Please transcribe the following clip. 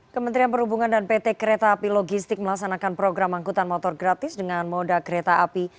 kementerian perhubungan dan pt kereta api logistik melaksanakan program angkutan motor gratis dengan moda kereta api